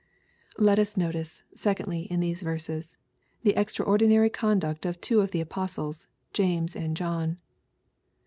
Let us notice, secondly, in these verses, the extraordi nary conduct of two of the apostles, James and John.